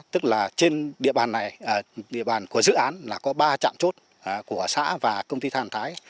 tức là trên địa bàn này địa bàn của dự án là có ba trạm chốt của xã và công ty than thái